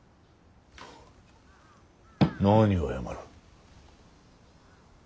何を謝る？